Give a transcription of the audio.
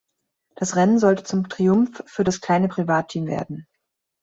Das Rennen sollte zum Triumph für das kleine Privatteam werden.